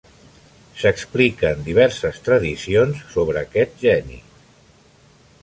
S'expliquen diverses tradicions sobre aquest geni.